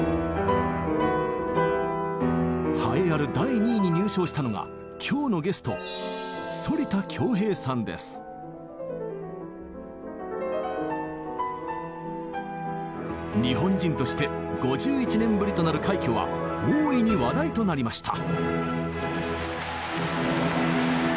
栄えある第２位に入賞したのが今日のゲスト日本人として５１年ぶりとなる快挙は大いに話題となりました。